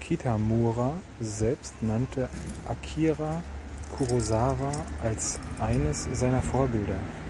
Kitamura selbst nannte Akira Kurosawa als eines seiner Vorbilder.